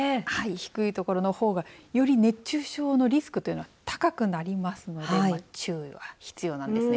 低いところの方がより熱中症のリスクというのは高くなりますので注意が必要なんですね。